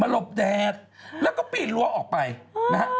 หลบแดดแล้วก็ปีนรั้วออกไปนะฮะ